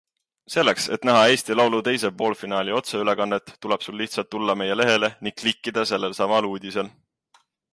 Selleks, et näha Eesti Laulu teise poolfinaali otseülekannet, tuleb sul lihtsalt tulla meie lehele ning klikkida sellel samal uudisel!